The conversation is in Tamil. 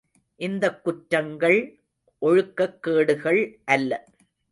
இந்தக் குற்றங்கள் ஒழுக்கக் கேடுகள் அல்ல.